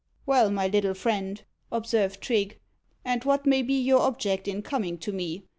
"Well, my little friend," observed Trigge, "and what may be your object in coming to me?